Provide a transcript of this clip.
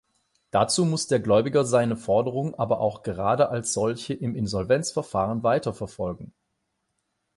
Dazu muss der Gläubiger seine Forderung aber auch gerade als solche im Insolvenzverfahren weiterverfolgen.